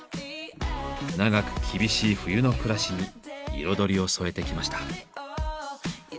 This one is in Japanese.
長く厳しい冬の暮らしに彩りを添えてきました。